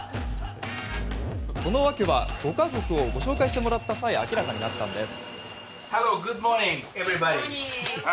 その訳はご家族をご紹介してもらった際明らかになったんです。